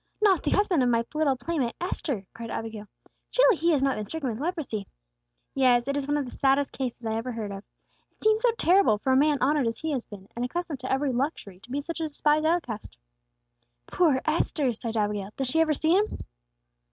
"Not the husband of my little playmate Esther!" cried Abigail. "Surely he has not been stricken with leprosy!" "Yes; it is one of the saddest cases I ever heard of. It seems so terrible for a man honored as he has been, and accustomed to every luxury, to be such a despised outcast." "Poor Esther!" sighed Abigail. "Does she ever see him?"